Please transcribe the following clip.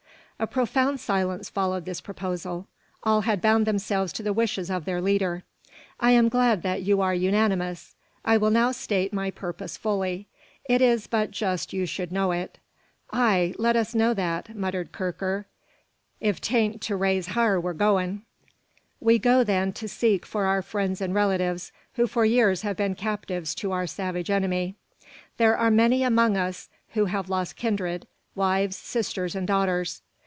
A profound silence followed this proposal. All had bound themselves to the wishes of their leader. "I am glad that you are unanimous. I will now state my purpose fully. It is but just you should know it." "Ay, let us know that," muttered Kirker, "if tain't to raise har we're goin'." "We go, then, to seek for our friends and relatives, who for years have been captives to our savage enemy. There are many among us who have lost kindred, wives, sisters, and daughters."